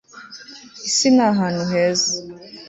isi ni ahantu heza